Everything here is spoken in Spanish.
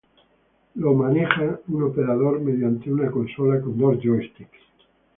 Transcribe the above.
Lo maneja un operador mediante una consola con dos joysticks.